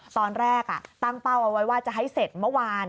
ตอนแรกตั้งเป้าเอาไว้ว่าจะให้เสร็จเมื่อวาน